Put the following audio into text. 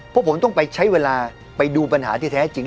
พวกผมต้องไปใช้เวลาไปดูปัญหาที่แท้จริง